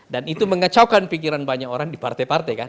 dan itu mengecawkan pikiran banyak orang di partai partai kan